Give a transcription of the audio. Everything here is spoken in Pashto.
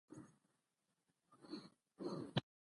شربت گله ، شين خالۍ ، شينکۍ ، شيرينو ، شېبه